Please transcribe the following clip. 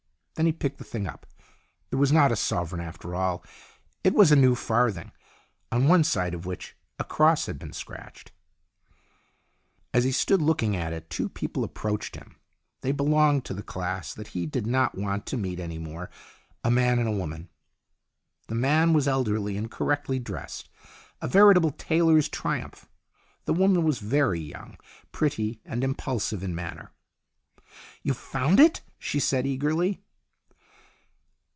Then he picked the thing up. It was not a sovereign, after all. It was a new farthing, on one side of which a cross had been scratched. As he stood looking at it two people approached him. They belonged to the class that he did not want to meet any more a man and a woman. The man was elderly and correctly dressed, a veritable tailor's triumph. The woman was very young, pretty, and impulsive in manner. " You've found it ?" she said eagerly.